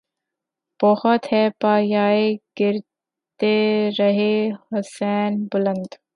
بہت ہے پایۂ گردِ رہِ حسین بلند